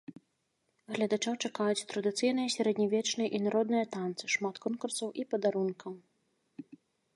Гледачоў чакаюць традыцыйныя сярэднявечныя і народныя танцы, шмат конкурсаў і падарункаў!